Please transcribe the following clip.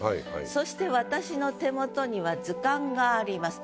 そして私の手元には図鑑があります。